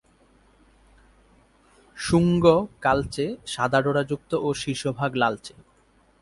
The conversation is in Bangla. শুঙ্গ কালচে, সাদা ডোরা যুক্ত ও শীর্ষভাগ লালচে।